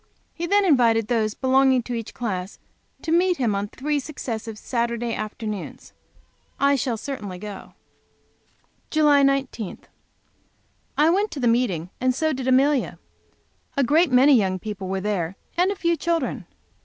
He then invited those belonging to each class to meet him on three successive Saturday afternoons. I shall certainly go. July 19. I went to the meeting, and so did Amelia. A great many young people were there and a few children.